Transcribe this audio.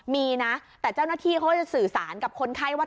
มีนะแต่เจ้าหน้าที่เขาก็จะสื่อสารกับคนไข้ว่า